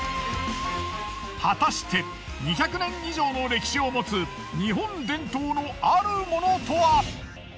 果たして２００年以上の歴史を持つ日本伝統のある物とは！？